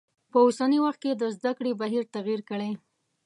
په اوسنی وخت کې د زده کړی بهیر تغیر کړی.